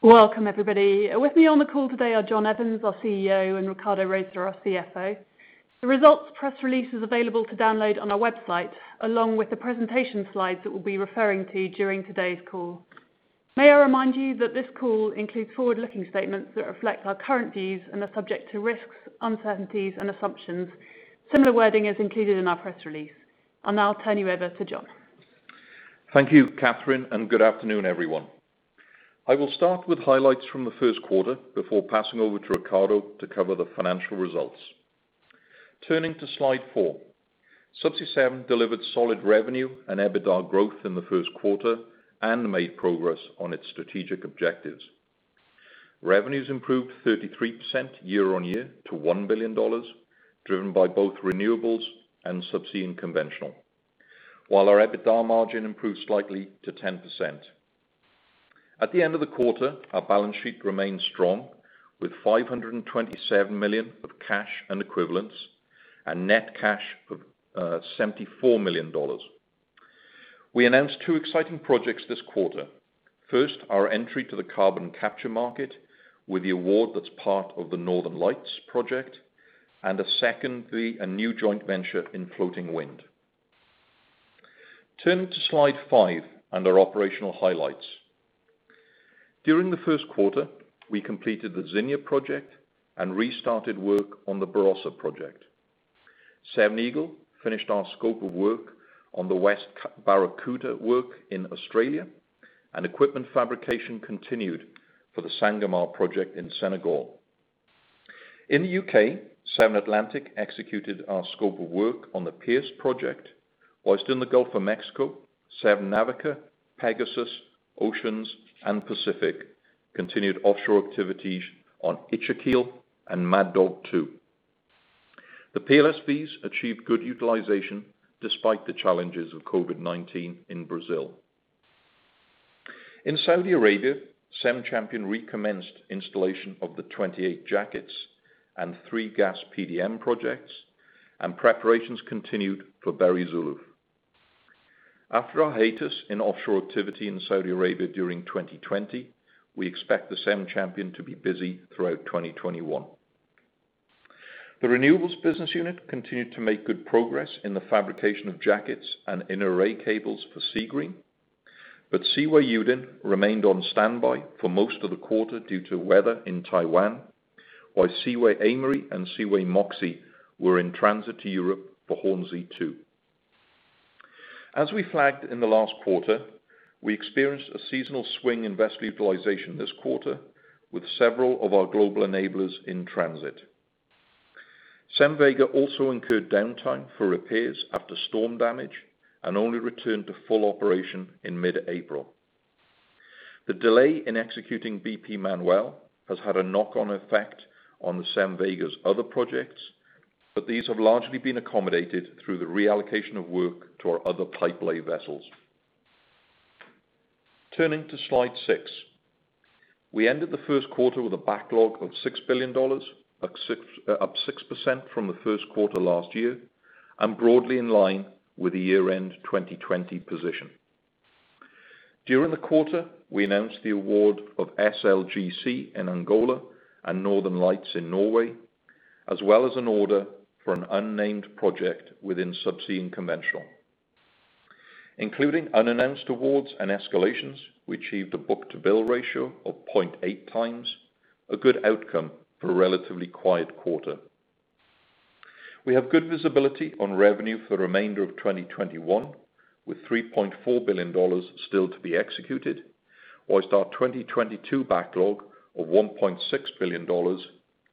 Welcome everybody. With me on the call today are John Evans, our CEO, and Ricardo Rosa, our CFO. The results press release is available to download on our website, along with the presentation slides that we'll be referring to during today's call. May I remind you that this call includes forward-looking statements that reflect our current views and are subject to risks, uncertainties and assumptions. Similar wording is included in our press release. I'll now turn you over to John. Thank you, Katherine, and good afternoon, everyone. I will start with highlights from the first quarter before passing over to Ricardo to cover the financial results. Turning to slide four. Subsea 7 delivered solid revenue and EBITDA growth in the first quarter and made progress on its strategic objectives. Revenues improved 33% year-on-year to $1 billion, driven by both Renewables and Subsea and Conventional. While our EBITDA margin improved slightly to 10%. At the end of the quarter, our balance sheet remained strong with $527 million of cash and equivalents and net cash of $74 million. We announced two exciting projects this quarter. First, our entry to the carbon capture market with the award that's part of the Northern Lights project, and secondly, a new joint venture in floating wind. Turning to slide five and our operational highlights. During the first quarter, we completed the Zinia project and restarted work on the Barossa project. Seven Eagle finished our scope of work on the West Barracouta work in Australia, and equipment fabrication continued for the Sangomar project in Senegal. In the U.K., Seven Atlantic executed our scope of work on the Pierce project, whilst in the Gulf of Mexico, Seven Navica, Pegasus, Oceans and Pacific continued offshore activities on Ichthys and Mad Dog 2. The PLSVs achieved good utilization despite the challenges of COVID-19 in Brazil. In Saudi Arabia, Seven Champion recommenced installation of the 28 jackets and three gas PDM projects, and preparations continued for Berri Zuluf. After our hiatus in offshore activity in Saudi Arabia during 2020, we expect the Seven Champion to be busy throughout 2021. The Renewables business unit continued to make good progress in the fabrication of jackets and inner-array cables for Seagreen. Seaway Yudin remained on standby for most of the quarter due to weather in Taiwan, while Seaway Aimery and Seaway Moxie were in transit to Europe for Hornsea 2. As we flagged in the last quarter, we experienced a seasonal swing in vessel utilization this quarter with several of our global enablers in transit. Seven Vega also incurred downtime for repairs after storm damage and only returned to full operation in mid-April. The delay in executing BP Manuel has had a knock-on effect on the Seven Vega's other projects, but these have largely been accommodated through the reallocation of work to our other pipelay vessels. Turning to slide six. We ended the first quarter with a backlog of $6 billion, up 6% from the first quarter last year, broadly in line with the year-end 2020 position. During the quarter, we announced the award of SLGC in Angola and Northern Lights in Norway, as well as an order for an unnamed project within Subsea and Conventional. Including unannounced awards and escalations, we achieved a book-to-bill ratio of 0.8 times, a good outcome for a relatively quiet quarter. We have good visibility on revenue for the remainder of 2021, with $3.4 billion still to be executed, whilst our 2022 backlog of $1.6 billion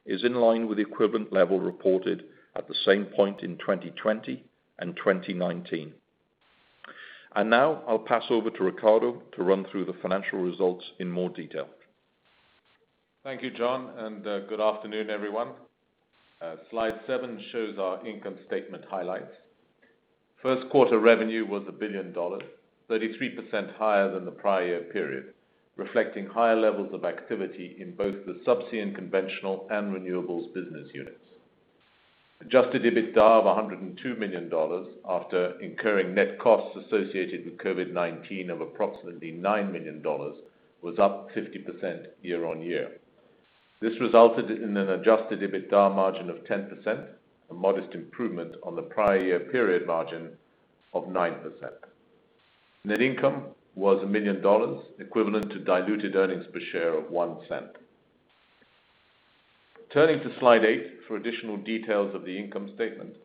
is in line with the equivalent level reported at the same point in 2020 and 2019. Now I'll pass over to Ricardo to run through the financial results in more detail. Thank you, John, and good afternoon, everyone. Slide seven shows our income statement highlights. First quarter revenue was $1 billion, 33% higher than the prior year period, reflecting higher levels of activity in both the Subsea and Conventional and Renewables business units. Adjusted EBITDA of $102 million after incurring net costs associated with COVID-19 of approximately $9 million, was up 50% year-on-year. This resulted in an adjusted EBITDA margin of 10%, a modest improvement on the prior year period margin of 9%. Net income was $1 million, equivalent to diluted earnings per share of $0.01. Turning to slide eight for additional details of the income statement.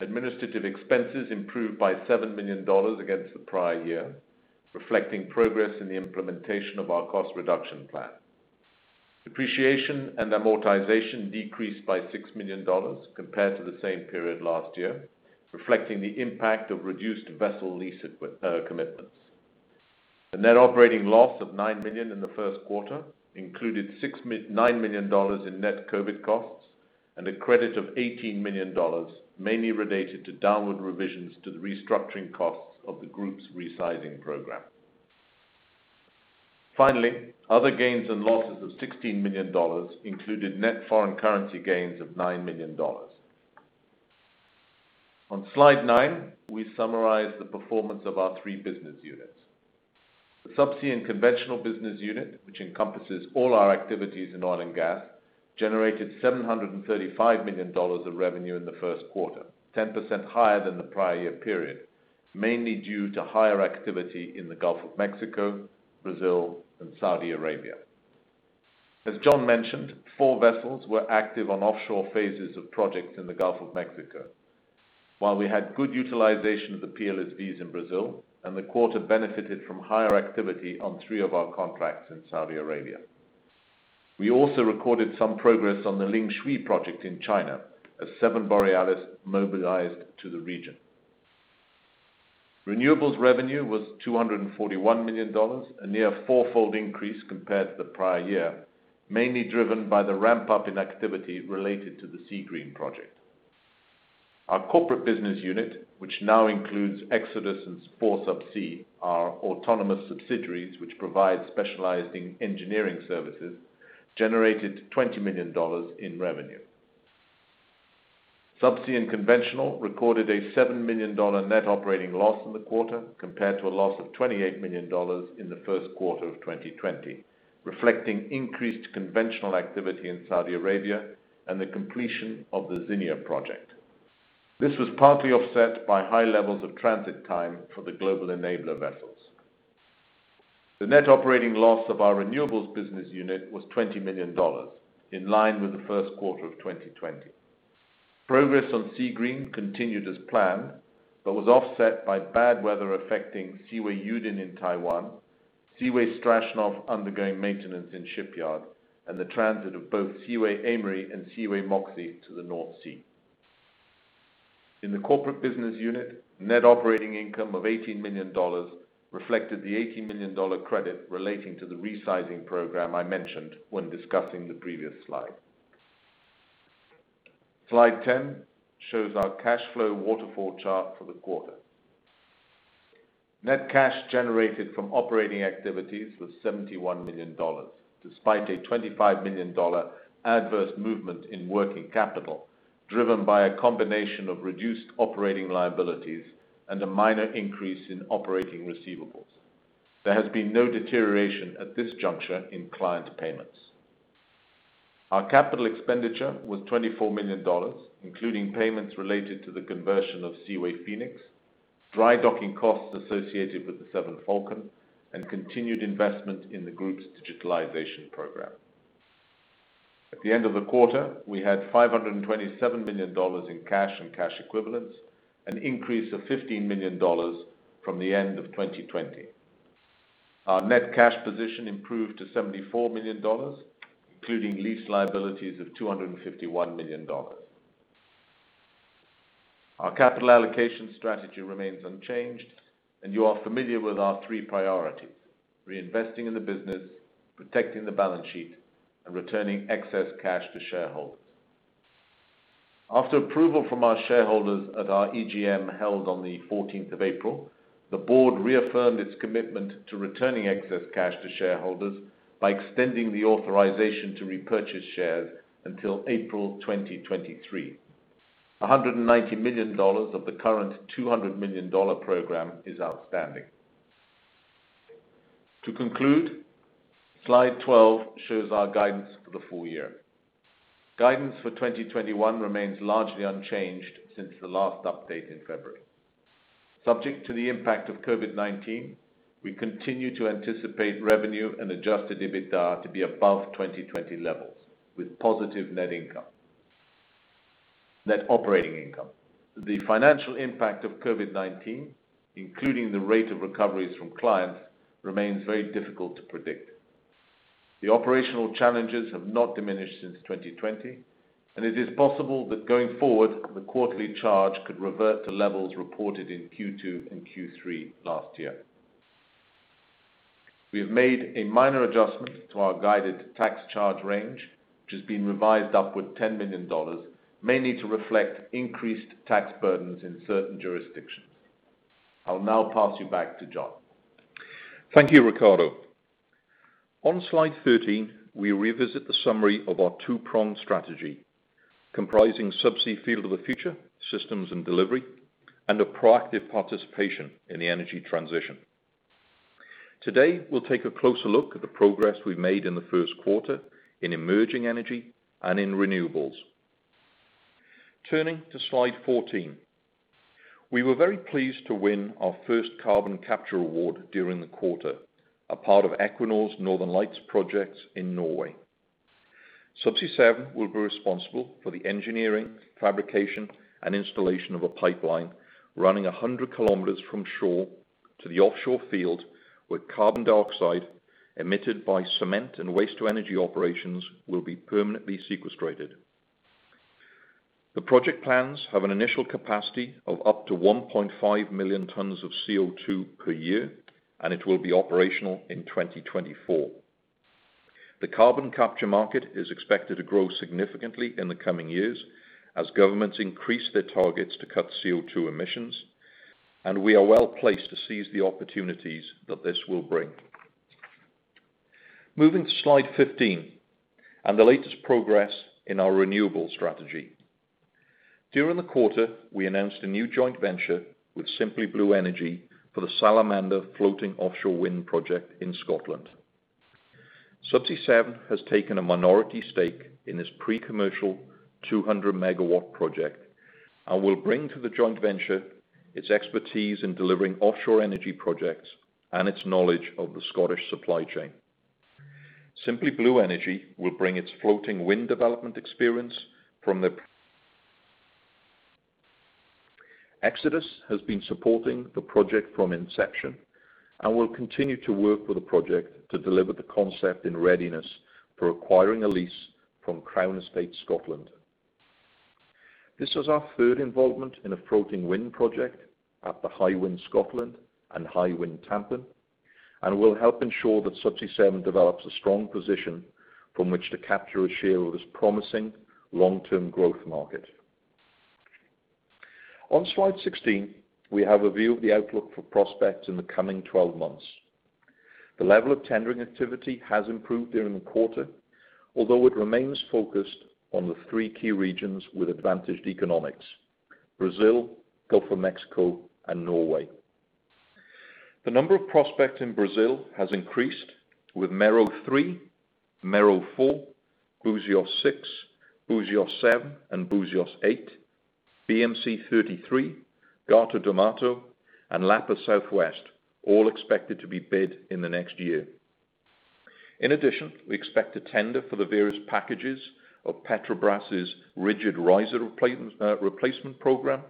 Administrative expenses improved by $7 million against the prior year, reflecting progress in the implementation of our cost reduction plan. Depreciation and amortization decreased by $6 million compared to the same period last year, reflecting the impact of reduced vessel lease commitments. The net operating loss of $9 million in the first quarter included $9 million in net COVID costs and a credit of $18 million, mainly related to downward revisions to the restructuring costs of the group's resizing program. Other gains and losses of $16 million included net foreign currency gains of $9 million. On slide nine, we summarize the performance of our three business units. The Subsea and Conventional business unit, which encompasses all our activities in oil and gas, generated $735 million of revenue in the first quarter, 10% higher than the prior year period, mainly due to higher activity in the Gulf of Mexico, Brazil, and Saudi Arabia. As John mentioned, four vessels were active on offshore phases of projects in the Gulf of Mexico. We had good utilization of the PLSVs in Brazil and the quarter benefited from higher activity on three of our contracts in Saudi Arabia. We also recorded some progress on the Lingshui 17-2 project in China as Seven Borealis mobilized to the region. Renewables revenue was $241 million, a near four-fold increase compared to the prior year, mainly driven by the ramp-up in activity related to the Seagreen project. Our corporate business unit, which now includes Xodus and 4Subsea, our autonomous subsidiaries, which provide specializing engineering services, generated $20 million in revenue. Subsea and Conventional recorded a $7 million net operating loss in the quarter, compared to a loss of $28 million in the first quarter of 2020, reflecting increased conventional activity in Saudi Arabia and the completion of the Zinia project. This was partly offset by high levels of transit time for the global enabler vessels. The net operating loss of our Renewables business unit was $20 million, in line with the first quarter of 2020. Progress on Seagreen continued as planned, but was offset by bad weather affecting Seaway Yudin in Taiwan, Seaway Strashnov undergoing maintenance in shipyard, and the transit of both Seaway Aimery and Seaway Moxie to the North Sea. In the Corporate business unit, net operating income of $18 million reflected the $18 million credit relating to the resizing program I mentioned when discussing the previous slide. Slide 10 shows our cash flow waterfall chart for the quarter. Net cash generated from operating activities was $71 million, despite a $25 million adverse movement in working capital, driven by a combination of reduced operating liabilities and a minor increase in operating receivables. There has been no deterioration at this juncture in client payments. Our capital expenditure was $24 million, including payments related to the conversion of Seaway Phoenix, dry docking costs associated with the Seven Falcon, and continued investment in the group's digitalization program. At the end of the quarter, we had $527 million in cash and cash equivalents, an increase of $15 million from the end of 2020. Our net cash position improved to $74 million, including lease liabilities of $251 million. Our capital allocation strategy remains unchanged, you are familiar with our three priorities, reinvesting in the business, protecting the balance sheet, and returning excess cash to shareholders. After approval from our shareholders at our EGM held on the 14th of April, the board reaffirmed its commitment to returning excess cash to shareholders by extending the authorization to repurchase shares until April 2023. $190 million of the current $200 million program is outstanding. To conclude, slide 12 shows our guidance for the full year. Guidance for 2021 remains largely unchanged since the last update in February. Subject to the impact of COVID-19, we continue to anticipate revenue and adjusted EBITDA to be above 2020 levels with positive net income. Net operating income. The financial impact of COVID-19, including the rate of recoveries from clients, remains very difficult to predict. The operational challenges have not diminished since 2020, and it is possible that going forward, the quarterly charge could revert to levels reported in Q2 and Q3 last year. We have made a minor adjustment to our guided tax charge range, which has been revised upward $10 million, mainly to reflect increased tax burdens in certain jurisdictions. I'll now pass you back to John. Thank you, Ricardo. On slide 13, we revisit the summary of our two-pronged strategy comprising Subsea Field of the Future Systems and Delivery, and a proactive participation in the energy transition. Today, we'll take a closer look at the progress we've made in the first quarter in emerging energy and in Renewables. Turning to slide 14. We were very pleased to win our first carbon capture award during the quarter, a part of Equinor's Northern Lights projects in Norway. Subsea 7 will be responsible for the engineering, fabrication, and installation of a pipeline running 100 km from shore to the offshore field, where carbon dioxide emitted by cement and waste to energy operations will be permanently sequestrated. The project plans have an initial capacity of up to 1.5 million tons of CO2 per year, and it will be operational in 2024. The carbon capture market is expected to grow significantly in the coming years as governments increase their targets to cut CO2 emissions, and we are well-placed to seize the opportunities that this will bring. Moving to slide 15 and the latest progress in our renewable strategy. During the quarter, we announced a new joint venture with Simply Blue Energy for the Salamander floating offshore wind project in Scotland. Subsea 7 has taken a minority stake in this pre-commercial 200 megawatt project and will bring to the joint venture its expertise in delivering offshore energy projects and its knowledge of the Scottish supply chain. Simply Blue Energy will bring its floating wind development experience from the Xodus has been supporting the project from inception and will continue to work with the project to deliver the concept in readiness for acquiring a lease from Crown Estate Scotland. This is our third involvement in a floating wind project after Hywind Scotland and Hywind Tampen, and will help ensure that Subsea 7 develops a strong position from which to capture a share of this promising long-term growth market. On slide 16, we have a view of the outlook for prospects in the coming 12 months. The level of tendering activity has improved during the quarter, although it remains focused on the three key regions with advantaged economics, Brazil, Gulf of Mexico, and Norway. The number of prospects in Brazil has increased with Mero-3, Mero-4, Buzios-6, Buzios-7, and Buzios-8, BM-C-33, Gato do Mato, and Lapa Southwest, all expected to be bid in the next year. In addition, we expect a tender for the various packages of Petrobras' rigid riser replacement program,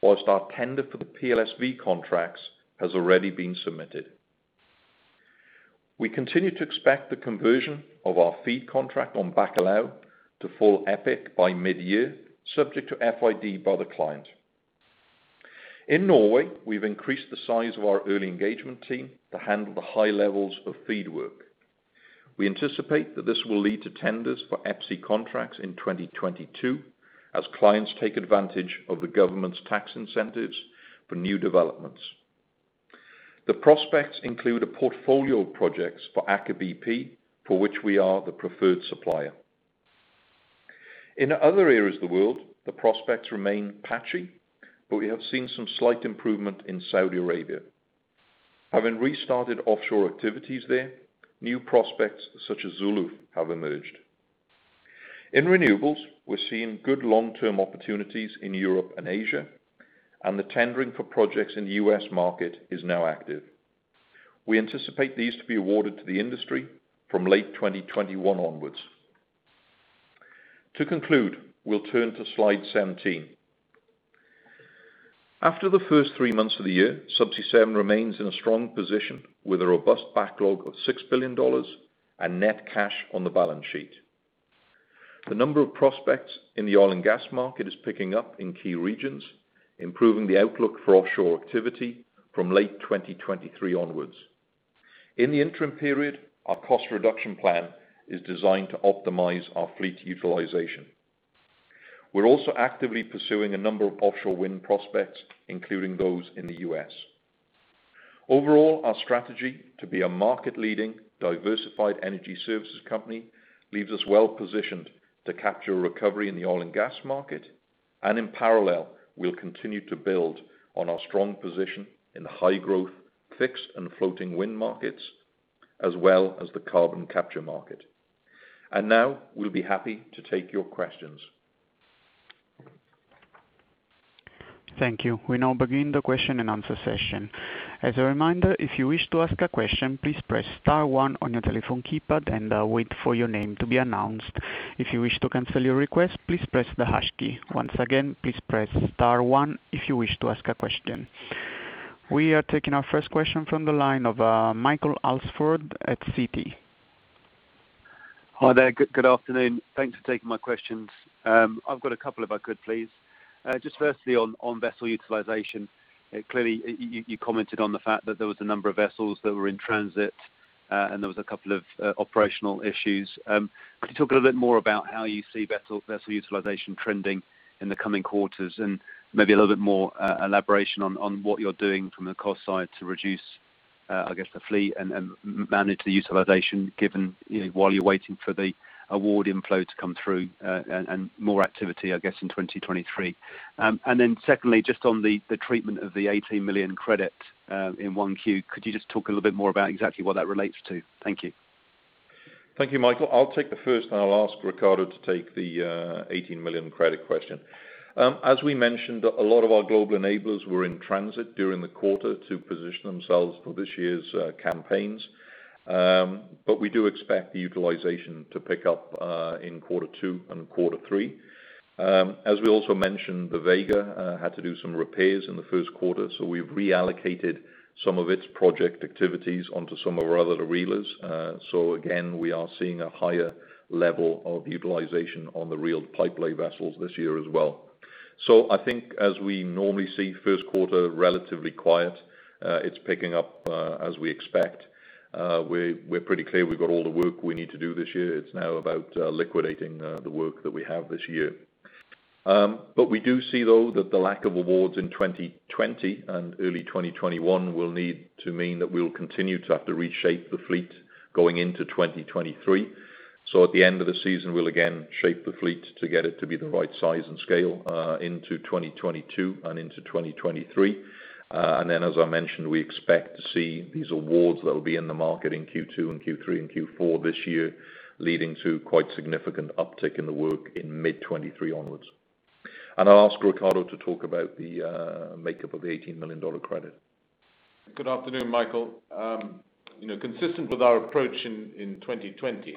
whilst our tender for the PLSV contracts has already been submitted. We continue to expect the conversion of our FEED contract on Bacalhau to full EPCI by mid-year, subject to FID by the client. In Norway, we've increased the size of our early engagement team to handle the high levels of FEED work. We anticipate that this will lead to tenders for EPCC contracts in 2022 as clients take advantage of the government's tax incentives for new developments. The prospects include a portfolio of projects for Aker BP, for which we are the preferred supplier. In other areas of the world, the prospects remain patchy. We have seen some slight improvement in Saudi Arabia. Having restarted offshore activities there, new prospects such as Zuluf have emerged. In Renewables, we are seeing good long-term opportunities in Europe and Asia. The tendering for projects in the U.S. market is now active. We anticipate these to be awarded to the industry from late 2021 onwards. To conclude, we'll turn to slide 17. After the first three months of the year, Subsea 7 remains in a strong position with a robust backlog of $6 billion and net cash on the balance sheet. The number of prospects in the oil and gas market is picking up in key regions, improving the outlook for offshore activity from late 2023 onwards. In the interim period, our cost reduction plan is designed to optimize our fleet utilization. We're also actively pursuing a number of offshore wind prospects, including those in the U.S. Overall, our strategy to be a market-leading, diversified energy services company leaves us well-positioned to capture a recovery in the oil and gas market. In parallel, we'll continue to build on our strong position in the high-growth fixed and floating wind markets, as well as the carbon capture market. Now we'll be happy to take your questions. Thank you. We now begin the question and answer session. As a reminder, if you wish to ask a question, please press star one on your telephone keypad and wait for your name to be announced. If you wish to cancel your request, please press the hash key. Once again, please press star one if you wish to ask a question. We are taking our first question from the line of Michael Alsford at Citi. Hi there. Good afternoon. Thanks for taking my questions. I've got a couple if I could please. Just firstly on vessel utilization, clearly you commented on the fact that there was a number of vessels that were in transit, and there was a couple of operational issues. Can you talk a little bit more about how you see vessel utilization trending in the coming quarters, and maybe a little bit more elaboration on what you're doing from the cost side to reduce the fleet and manage the utilization while you're waiting for the award inflow to come through, and more activity in 2023? Secondly, just on the treatment of the $18 million credit in 1Q, could you just talk a little bit more about exactly what that relates to? Thank you. Thank you, Michael. I'll take the first, and I'll ask Ricardo to take the $18 million credit question. As we mentioned, a lot of our global enablers were in transit during the quarter to position themselves for this year's campaigns. We do expect the utilization to pick up in quarter two and quarter three. As we also mentioned, the Seven Vega had to do some repairs in the first quarter, so we've reallocated some of its project activities onto some of our other reelers. Again, we are seeing a higher level of utilization on the reeled pipelay vessels this year as well. I think as we normally see, first quarter relatively quiet. It's picking up as we expect. We're pretty clear we've got all the work we need to do this year. It's now about liquidating the work that we have this year. We do see, though, that the lack of awards in 2020 and early 2021 will need to mean that we will continue to have to reshape the fleet going into 2023. At the end of the season, we will again shape the fleet to get it to be the right size and scale into 2022 and into 2023. As I mentioned, we expect to see these awards that will be in the market in Q2 and Q3 and Q4 this year, leading to quite significant uptick in the work in mid 2023 onwards. I'll ask Ricardo to talk about the makeup of the $18 million credit. Good afternoon, Michael. Consistent with our approach in 2020,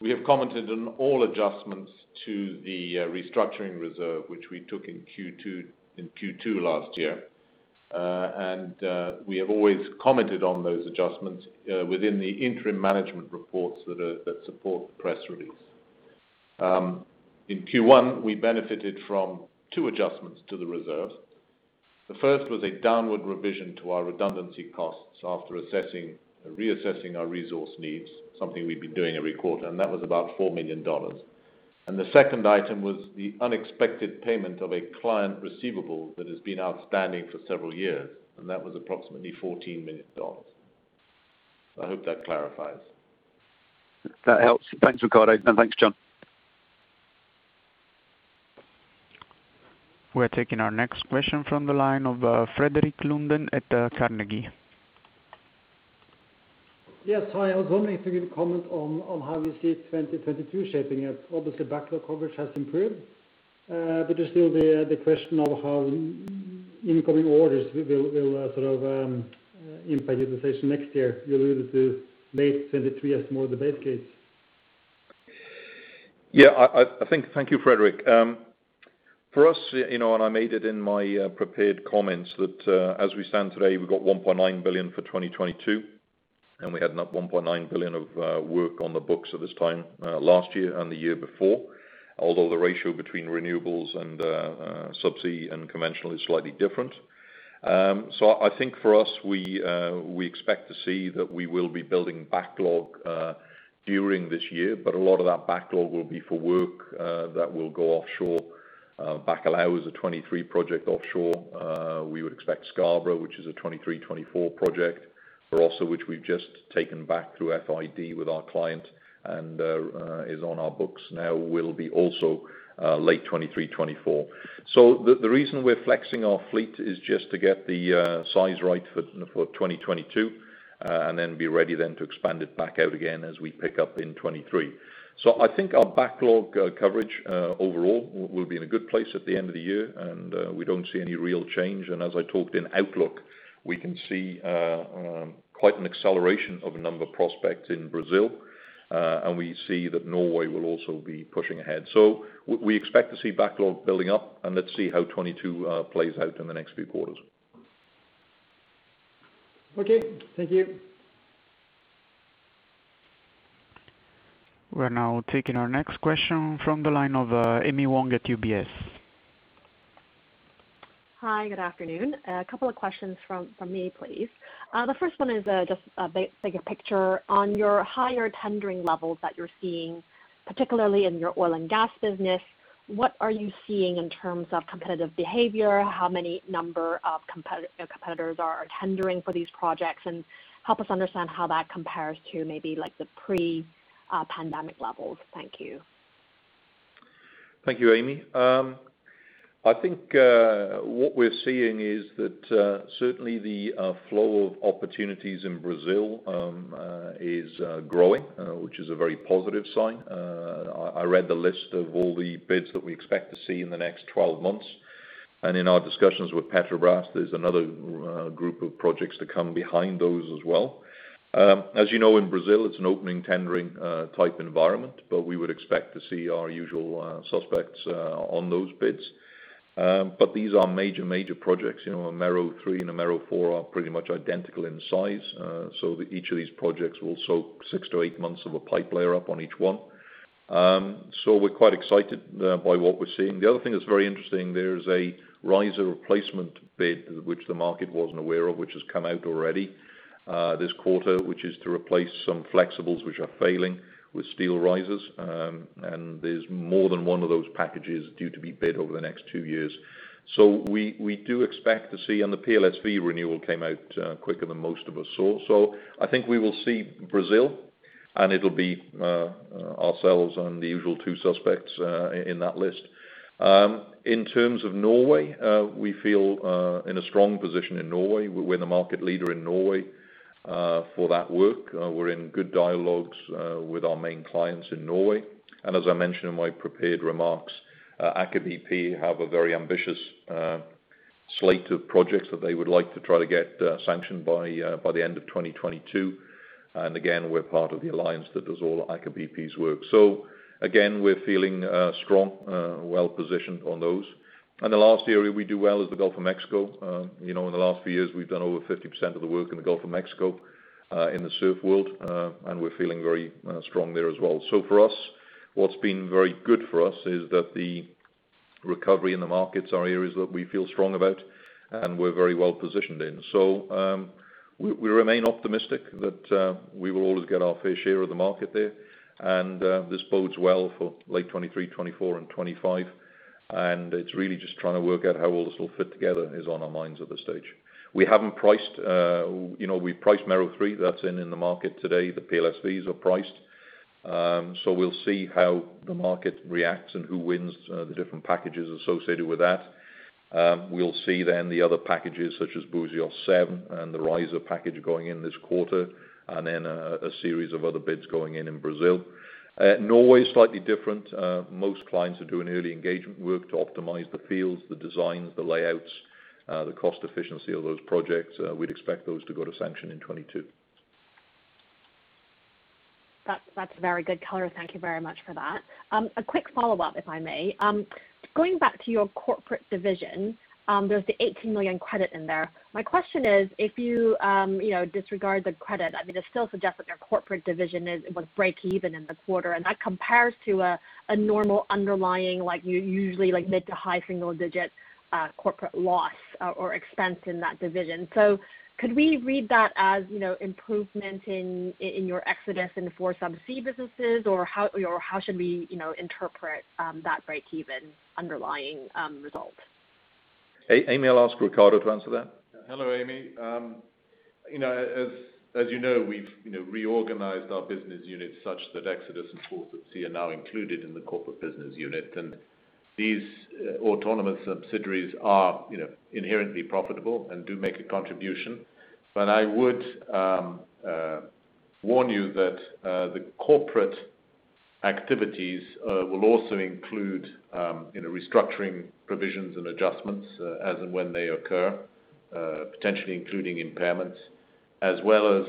we have commented on all adjustments to the restructuring reserve, which we took in Q2 last year. We have always commented on those adjustments within the interim management reports that support the press release. In Q1, we benefited from two adjustments to the reserve. The first was a downward revision to our redundancy costs after reassessing our resource needs, something we've been doing every quarter, and that was about $4 million. The second item was the unexpected payment of a client receivable that has been outstanding for several years, and that was approximately $14 million. I hope that clarifies. That helps. Thanks, Ricardo, and thanks, John. We're taking our next question from the line of Frederik Lunde at Carnegie. Yes. Hi. I was wondering if you could comment on how you see 2022 shaping up. Obviously, backlog coverage has improved, but there's still the question of how incoming orders will sort of impact utilization next year. You alluded to late 2023 as more the base case. Yeah. Thank you, Frederik. For us, and I made it in my prepared comments that as we stand today, we've got $1.9 billion for 2022, and we had $1.9 billion of work on the books at this time last year and the year before. The ratio between Renewables and Subsea and Conventional is slightly different. I think for us, we expect to see that we will be building backlog during this year, but a lot of that backlog will be for work that will go offshore. Bacalhau is a 2023 project offshore. We would expect Scarborough, which is a 2023, 2024 project. Brasse, which we've just taken back through FID with our client and is on our books now, will be also late 2023, 2024. The reason we're flexing our fleet is just to get the size right for 2022, and then be ready then to expand it back out again as we pick up in 2023. I think our backlog coverage overall will be in a good place at the end of the year, and we don't see any real change. As I talked in outlook, we can see quite an acceleration of a number of prospects in Brazil. We see that Norway will also be pushing ahead. We expect to see backlog building up, and let's see how 2022 plays out in the next few quarters. Okay. Thank you. We're now taking our next question from the line of Amy Wong at UBS. Hi, good afternoon. A couple of questions from me, please. The first one is just a bigger picture on your higher tendering levels that you're seeing, particularly in your oil and gas business. What are you seeing in terms of competitive behavior? How many number of competitors are tendering for these projects, and help us understand how that compares to maybe like the pre-pandemic levels. Thank you. Thank you, Amy. I think what we're seeing is that certainly the flow of opportunities in Brazil is growing, which is a very positive sign. I read the list of all the bids that we expect to see in the next 12 months. In our discussions with Petrobras, there's another group of projects to come behind those as well. As you know, in Brazil, it's an opening tendering type environment, but we would expect to see our usual suspects on those bids. These are major projects. Mero-3 and Mero-4 are pretty much identical in size. Each of these projects will soak six to eight months of a pipe layer up on each one. We're quite excited by what we're seeing. The other thing that's very interesting, there is a riser replacement bid which the market wasn't aware of, which has come out already this quarter, which is to replace some flexibles which are failing with steel risers. There's more than one of those packages due to be bid over the next two years. We do expect to see, and the PLSV renewal came out quicker than most of us saw. I think we will see Brazil, and it'll be ourselves and the usual two suspects in that list. In terms of Norway, we feel in a strong position in Norway. We're the market leader in Norway for that work. We're in good dialogues with our main clients in Norway. As I mentioned in my prepared remarks, Aker BP have a very ambitious slate of projects that they would like to try to get sanctioned by the end of 2022. Again, we're part of the alliance that does all Aker BP's work. Again, we're feeling strong, well-positioned on those. The last area we do well is the Gulf of Mexico. In the last few years, we've done over 50% of the work in the SURF world, and we're feeling very strong there as well. For us, what's been very good for us is that the recovery in the markets are areas that we feel strong about and we're very well positioned in. We remain optimistic that we will always get our fair share of the market there. This bodes well for late 2023, 2024 and 2025. It's really just trying to work out how all this will fit together is on our minds at this stage. We've priced Mero 3. That's in the market today. The PLSVs are priced. We'll see how the market reacts and who wins the different packages associated with that. We'll see then the other packages such as Buzios 7 and the riser package going in this quarter, and then a series of other bids going in in Brazil. Norway is slightly different. Most clients are doing early engagement work to optimize the fields, the designs, the layouts, the cost efficiency of those projects. We'd expect those to go to sanction in 2022. That's very good color. Thank you very much for that. A quick follow-up, if I may. Going back to your corporate division, there's the $18 million credit in there. My question is, if you disregard the credit, I mean, they still suggest that their corporate division would break even in the quarter, and that compares to a normal underlying, like you usually mid to high single digit corporate loss or expense in that division. Could we read that as improvement in your Xodus and 4Subsea businesses, or how should we interpret that break-even underlying result? Amy, I'll ask Ricardo to answer that. Hello, Amy. As you know, we've reorganized our business units such that Xodus and 4Subsea are now included in the corporate business unit. These autonomous subsidiaries are inherently profitable and do make a contribution. I would warn you that the corporate activities will also include restructuring provisions and adjustments as and when they occur, potentially including impairments, as well as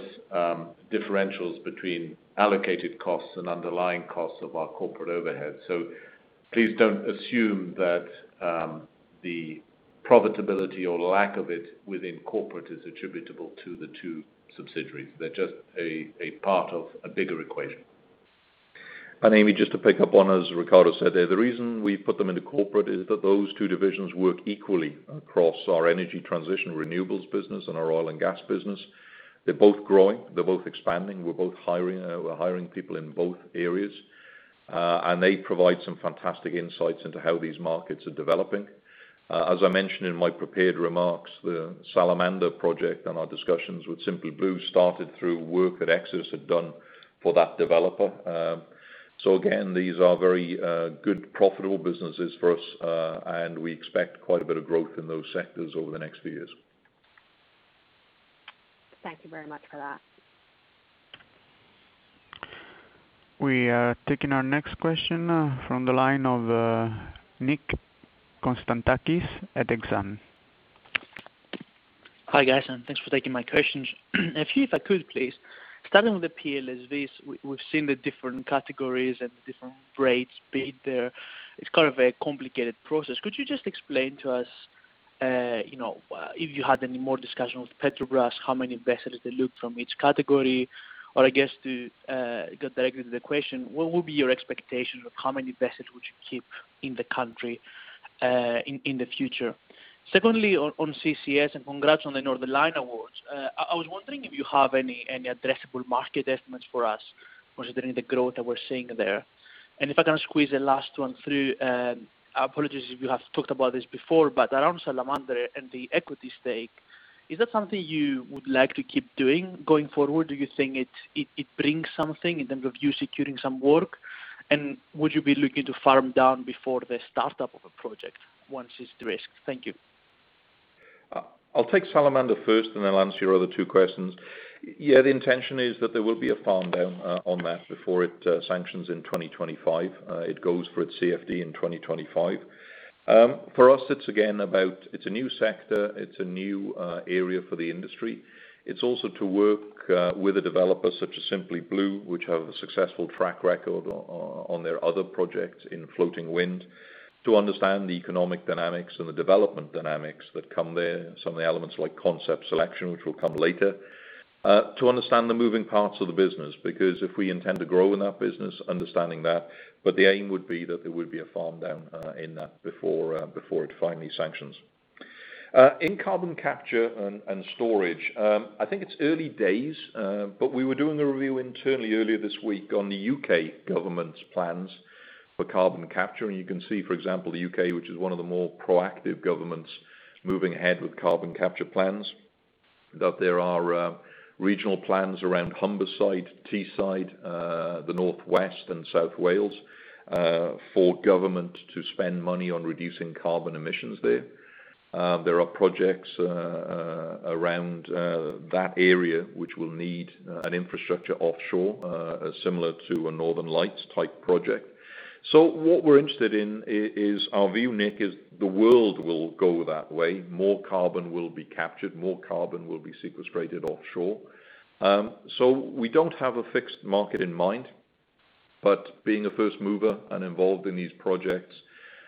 differentials between allocated costs and underlying costs of our corporate overhead. Please don't assume that the profitability or lack of it within corporate is attributable to the two subsidiaries. They're just a part of a bigger equation. Amy, just to pick up on, as Ricardo said there, the reason we put them into corporate is that those two divisions work equally across our energy transition Renewables business and our oil and gas business. They're both growing. They're both expanding. We're both hiring. We're hiring people in both areas. They provide some fantastic insights into how these markets are developing. As I mentioned in my prepared remarks, the Salamander project and our discussions with Simply Blue started through work that Xodus had done for that developer. Again, these are very good, profitable businesses for us, and we expect quite a bit of growth in those sectors over the next few years. Thank you very much for that. We are taking our next question from the line of Nick Constantakis at Exane. Hi, guys. Thanks for taking my questions. A few if I could, please. Starting with the PLSVs, we've seen the different categories and different rates bid there. It's kind of a complicated process. Could you just explain to us if you had any more discussion with Petrobras, how many vessels they look from each category? I guess to go directly to the question, what would be your expectations of how many vessels would you keep in the country in the future? Secondly, on CCS. Congrats on the Northern Lights awards. I was wondering if you have any addressable market estimates for us considering the growth that we're seeing there. If I can squeeze a last one through, apologies if you have talked about this before, around Salamander and the equity stake, is that something you would like to keep doing going forward? Do you think it brings something in terms of you securing some work? Would you be looking to farm down before the startup of a project once it's risked? Thank you. I'll take Salamander first, and then I'll answer your other two questions. Yeah, the intention is that there will be a farm down on that before it sanctions in 2025. It goes for its CFD in 2025. For us, it's a new sector. It's a new area for the industry. It's also to work with a developer such as Simply Blue, which have a successful track record on their other projects in floating wind to understand the economic dynamics and the development dynamics that come there. Some of the elements like concept selection, which will come later. To understand the moving parts of the business, because if we intend to grow in that business, understanding that, but the aim would be that there would be a farm down in that before it finally sanctions. In carbon capture and storage, I think it's early days, but we were doing a review internally earlier this week on the U.K. government's plans for carbon capture. You can see, for example, the U.K., which is one of the more proactive governments moving ahead with carbon capture plans, that there are regional plans around Humberside, Teesside, the North West and South Wales, for government to spend money on reducing carbon emissions there. There are projects around that area which will need an infrastructure offshore, similar to a Northern Lights type project. What we're interested in is our view, Nick, is the world will go that way. More carbon will be captured, more carbon will be sequestrated offshore. We don't have a fixed market in mind, but being a first mover and involved in these projects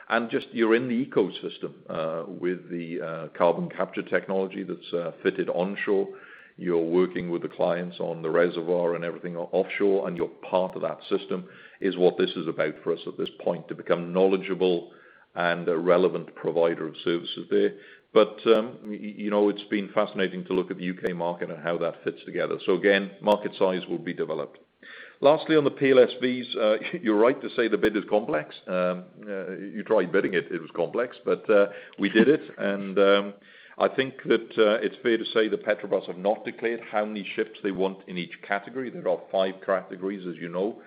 and just you're in the ecosystem with the carbon capture technology that's fitted onshore. You're working with the clients on the reservoir and everything offshore, and you're part of that system is what this is about for us at this point, to become knowledgeable and a relevant provider of services there. It's been fascinating to look at the U.K. market and how that fits together. Again, market size will be developed. Lastly, on the PLSVs, you're right to say the bid is complex. You tried bidding it. It was complex, but we did it, and I think that it's fair to say that Petrobras have not declared how many ships they want in each category. There are 5 categories, as you know,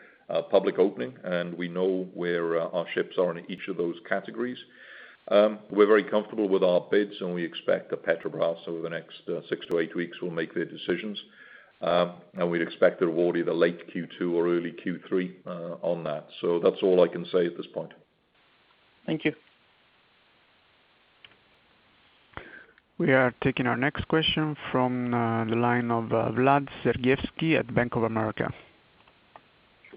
public opening, and we know where our ships are in each of those categories. We're very comfortable with our bids, and we expect that Petrobras, over the next six to eight weeks, will make their decisions. We'd expect the reward either late Q2 or early Q3 on that. That's all I can say at this point. Thank you. We are taking our next question from the line of Vladimir Sergievskiy at Bank of America.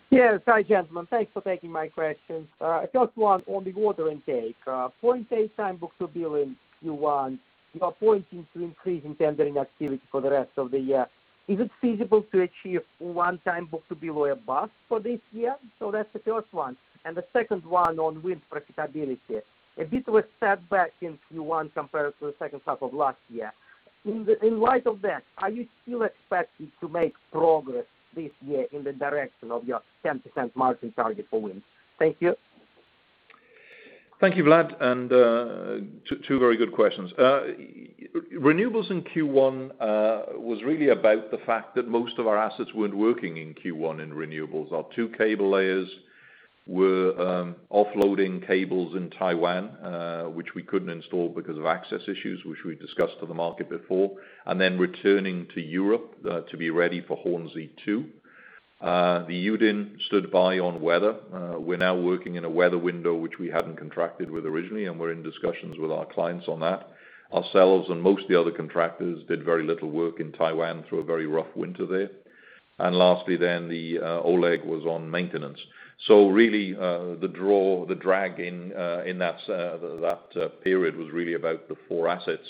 Yes. Hi, gentlemen. Thanks for taking my questions. First one on the order intake. 0.8x book-to-bill in Q1, you are pointing to increasing tendering activity for the rest of the year. Is it feasible to achieve 1x book-to-bill or above for this year? That's the first one, and the second one on wind profitability. A bit was set back in Q1 compared to the second half of last year. In light of that, are you still expecting to make progress this year in the direction of your 10% margin target for wind? Thank you. Thank you, Vlad. Two very good questions. Renewables in Q1 was really about the fact that most of our assets weren't working in Q1 in Renewables. Our two cable layers were offloading cables in Taiwan, which we couldn't install because of access issues, which we discussed to the market before, and then returning to Europe, to be ready for Hornsea 2. The Yudin stood by on weather. We're now working in a weather window, which we hadn't contracted with originally, and we're in discussions with our clients on that. Ourselves and most of the other contractors did very little work in Taiwan through a very rough winter there. Lastly then, the Oleg was on maintenance. Really, the drag in that period was really about the four assets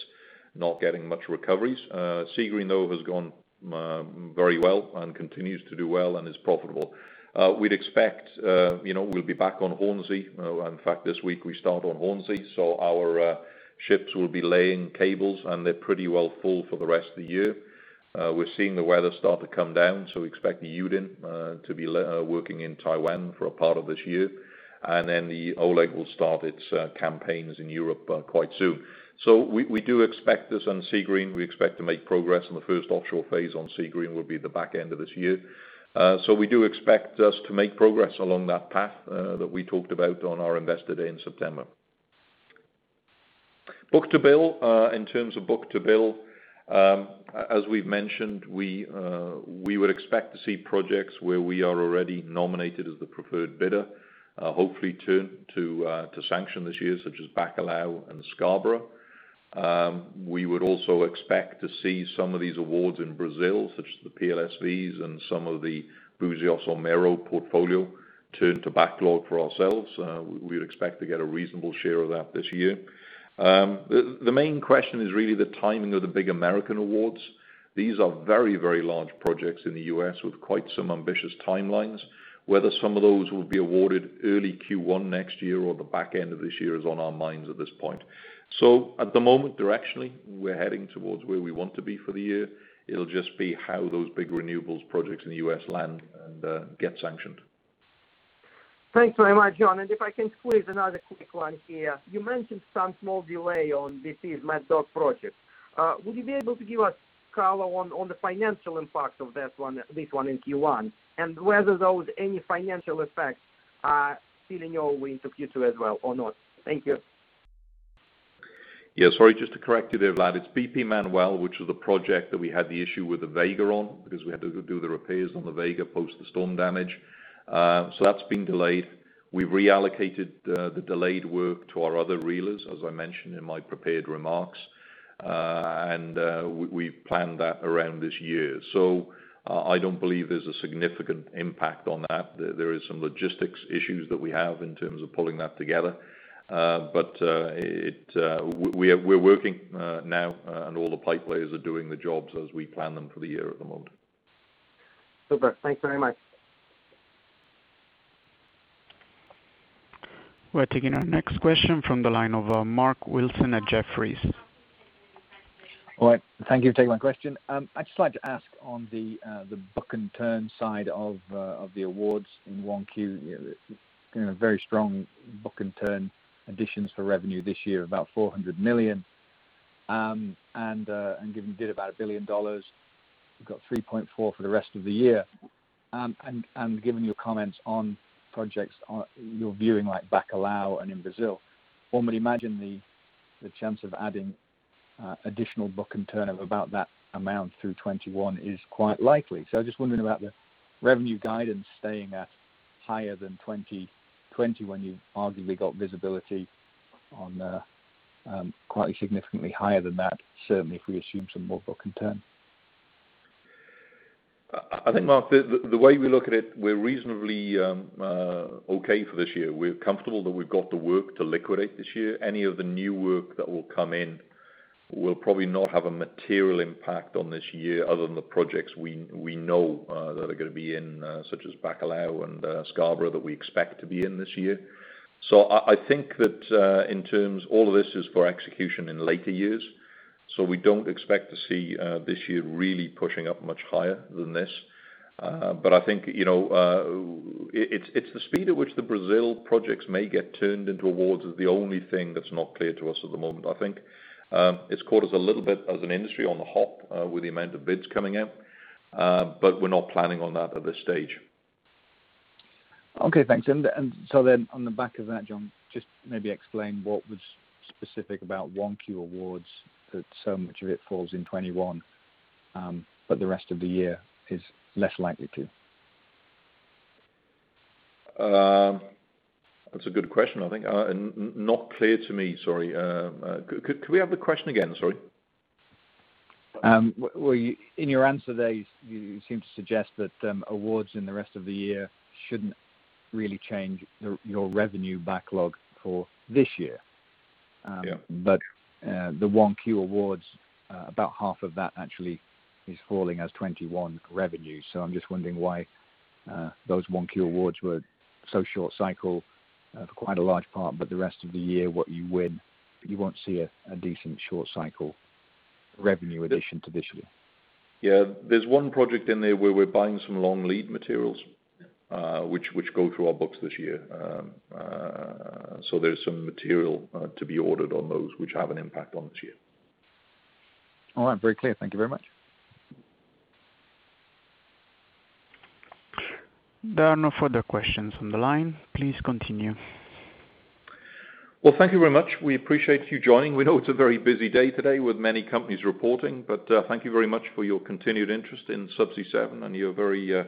not getting much recoveries. Seagreen, though, has gone very well and continues to do well and is profitable. We'd expect we'll be back on Hornsea. In fact, this week we start on Hornsea. Our ships will be laying cables, and they're pretty well full for the rest of the year. We're seeing the weather start to come down, we expect the Yudin to be working in Taiwan for a part of this year. Then the Oleg will start its campaigns in Europe quite soon. We do expect this on Seagreen. We expect to make progress on the first offshore phase on Seagreen will be the back end of this year. We do expect just to make progress along that path that we talked about on our Investor Day in September. In terms of book-to-bill, as we've mentioned, we would expect to see projects where we are already nominated as the preferred bidder, hopefully turn to sanction this year, such as Bacalhau and Scarborough. We would also expect to see some of these awards in Brazil, such as the PLSVs and some of the Buzios Mero portfolio turn to backlog for ourselves. We'd expect to get a reasonable share of that this year. The main question is really the timing of the big American awards. These are very large projects in the U.S. with quite some ambitious timelines. Whether some of those will be awarded early Q1 next year or the back end of this year is on our minds at this point. At the moment, directionally, we're heading towards where we want to be for the year. It'll just be how those big renewables projects in the U.S. land and get sanctioned. Thanks very much, John. If I can squeeze another quick one here. You mentioned some small delay on BP's Mad Dog project. Would you be able to give us color on the financial impact of this one in Q1, and whether any financial effects are still in your way to Q2 as well or not? Thank you. Yeah. Sorry, just to correct you there, Vladimir, it's BP Manuel, which was the project that we had the issue with the Vega on, because we had to do the repairs on the Vega post the storm damage. That's been delayed. We reallocated the delayed work to our other reelers, as I mentioned in my prepared remarks. We've planned that around this year. I don't believe there's a significant impact on that. There is some logistics issues that we have in terms of pulling that together. We're working now, and all the pipe layers are doing the jobs as we plan them for the year at the moment. Super. Thanks very much. We're taking our next question from the line of Mark Wilson at Jefferies. All right. Thank you for taking my question. I'd just like to ask on the book-and-turn side of the awards in 1Q, it's been a very strong book-and-turn additions for revenue this year, about $400 million. Given you did about $1 billion, you've got $3.4 billion for the rest of the year. Given your comments on projects you're viewing, like Bacalhau and in Brazil, one would imagine the chance of adding additional book-and-turn of about that amount through 2021 is quite likely. I was just wondering about the revenue guidance staying at higher than 2020 when you've arguably got visibility on quite significantly higher than that, certainly if we assume some more book-and-turn. I think, Mark, the way we look at it, we're reasonably okay for this year. We're comfortable that we've got the work to liquidate this year. Any of the new work that will come in will probably not have a material impact on this year other than the projects we know that are going to be in, such as Bacalhau and Scarborough, that we expect to be in this year. I think that in terms, all of this is for execution in later years, so we don't expect to see this year really pushing up much higher than this. I think, it's the speed at which the Brazil projects may get turned into awards is the only thing that's not clear to us at the moment. I think it's caught us a little bit as an industry on the hop with the amount of bids coming out, but we're not planning on that at this stage. Okay, thanks. On the back of that, John, just maybe explain what was specific about one Q awards that so much of it falls in 2021, but the rest of the year is less likely to. That's a good question. I think, not clear to me, sorry. Could we have the question again, sorry? Well, in your answer there, you seem to suggest that awards in the rest of the year shouldn't really change your revenue backlog for this year. Yeah. The won Q awards, about half of that actually is falling as 2021 revenue. I'm just wondering why those won Q awards were so short cycle for quite a large part, but the rest of the year, what you win, you won't see a decent short cycle revenue addition to this year. Yeah. There's one project in there where we're buying some long lead materials which go through our books this year. There's some material to be ordered on those which have an impact on this year. All right. Very clear. Thank you very much. There are no further questions on the line. Please continue. Well, thank you very much. We appreciate you joining. We know it's a very busy day today with many companies reporting. Thank you very much for your continued interest in Subsea 7 and your very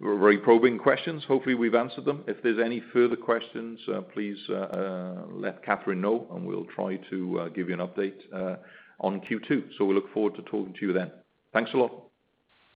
probing questions. Hopefully, we've answered them. If there's any further questions, please let Katherine know, and we'll try to give you an update on Q2. We look forward to talking to you then. Thanks a lot.